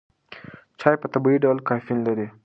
چای په طبیعي ډول کافین لري.